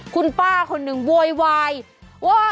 คุณป้าคนหนึ่งโวยวายว่า